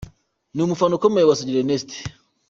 Ni umufana ukomeye wa Sugira Ernest.